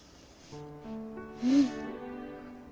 うん。